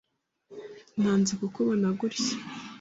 Nanze kukubona gutya.